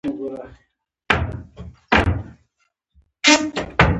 د ښار میلې د سوداګرۍ او فرهنګي فعالیتونو لپاره موقع ورکوي.